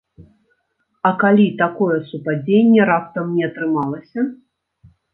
А калі такое супадзенне раптам не атрымалася?